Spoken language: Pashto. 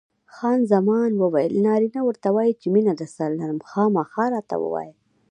خان زمان وویل: نارینه ورته وایي چې مینه درسره لرم؟ خامخا راته ووایه.